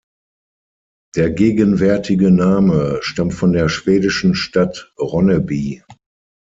Der gegenwärtige Name stammt von der schwedischen Stadt Ronneby.